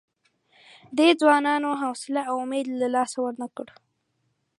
دې ځوانانو حوصله او امید له لاسه ورنه کړ.